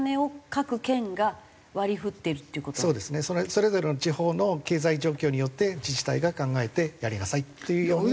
それぞれの地方の経済状況によって自治体が考えてやりなさいっていうように。